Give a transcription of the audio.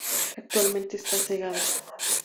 Actualmente está cegada.